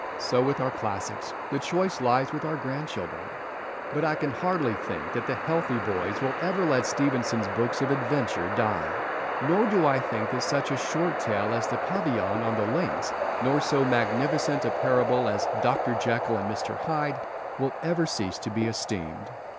So with our classics. The choice lies with our grandchildren. But I can hardly think that healthy boys will ever let Stevenson's books of adventure die, nor do I think that such a short tale as "The Pavilion on the Links" nor so magnificent a parable as "Dr. Jekyll and Mr. Hyde" will ever cease to be esteemed.